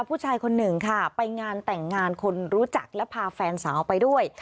ผู้ชายคนหนึ่งค่ะไปงานแต่งงานคนรู้จักและพาแฟนสาวไปด้วย